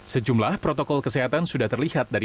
sejumlah protokol kesehatan sudah terlihat dari